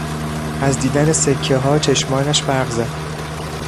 از دیدن سکهها چشمانش برق زد.